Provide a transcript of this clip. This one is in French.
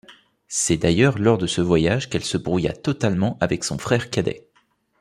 C'est d'ailleurs lors de ce voyage qu'elle se brouilla totalement avec son frère cadet.